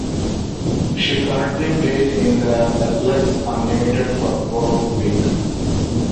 She currently plays in the Athletes Unlimited softball league.